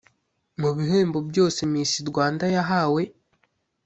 Mu bihembo byose Miss Rwanda yahawe